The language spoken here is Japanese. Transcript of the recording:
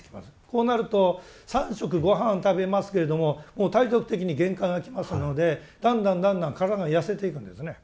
こうなると三食ごはん食べますけれどももう体力的に限界がきますのでだんだんだんだん体が痩せていくんですね。